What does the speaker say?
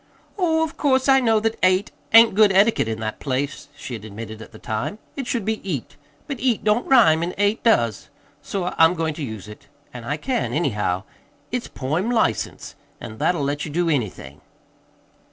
"Oh, of course I know that 'ate' ain't good etiquette in that place," she had admitted at the time. "It should be 'eat.' But 'eat' don't rhyme, an' 'ate' does. So I'm goin' to use it. An' I can, anyhow. It's poem license; an' that'll let you do anything."